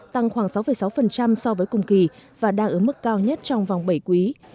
tăng khoảng sáu sáu so với cùng kỳ và đang ở mức cao nhất trong vòng bảy quý